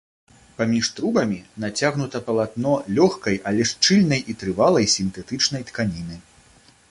Паміж трубамі нацягнута палатно лёгкай, але шчыльнай і трывалай сінтэтычнай тканіны.